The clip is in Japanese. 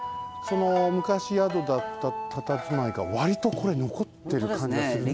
昔宿だったたたずまいがわりとこれのこってるかんじがするね。